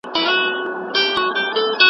که ميرمن ناروغه وي، نو خاوند به خادم مقرروي.